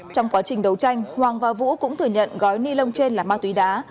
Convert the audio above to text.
trong quá trình đấu tranh hoàng và vũ cũng thừa nhận gói ni lông trên là ma túy đá